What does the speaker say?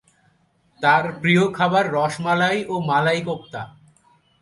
তার প্রিয় খাবার রস মালাই ও মালাই কোপ্তা।